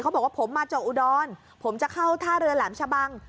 บอกว่าผมมาจากอุดรผมจะเข้าท่าเรือแหลมชะบัง